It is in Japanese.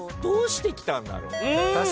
どうしてきたんだろう？